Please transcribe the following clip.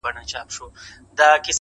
o پردى مال نه خپلېږي٫